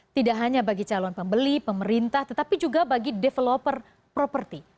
tidak hanya bagi calon pembeli pemerintah tetapi juga bagi developer properti